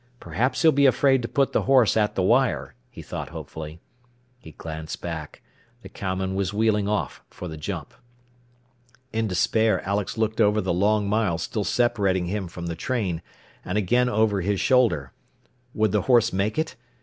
Perhaps he'll be afraid to put the horse at the wire, he thought hopefully. He glanced back. The cowman was wheeling off for the jump. In despair Alex looked over the long mile still separating him from the train, and again over his shoulder. Would the horse make it?